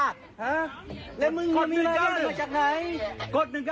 กำลังจะกด